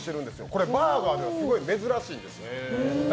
これバーガーにはすごい珍しいんです。